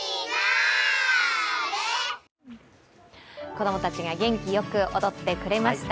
子供たちが元気よく踊ってくれました。